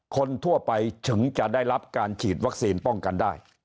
คนทั่วไปถึงจะได้รับการฉีดวัคซีนป้องกันได้